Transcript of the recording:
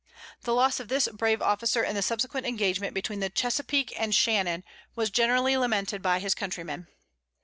The loss of this brave officer in the subsequent engagement between the Chesapeake and Shannon, was generally lamented by his countrymen.